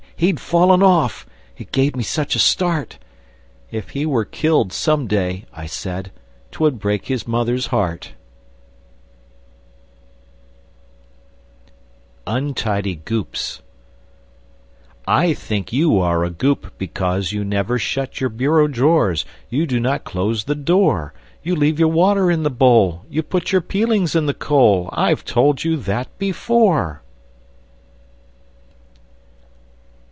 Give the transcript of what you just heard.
He'd fallen off! It gave me such a start! "If he were killed, some day," I said, "'Twould break his mother's heart!" [Illustration: Untidy Goops] UNTIDY GOOPS I think you are a Goop, because You never shut your bureau drawers, You do not close the door! You leave your water in the bowl, You put your peelings in the coal! I've told you that before!